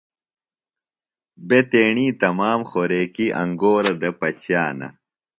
بےۡ تیݨی تمام خوریکیۡ انگورہ دےۡ پچِیانہ۔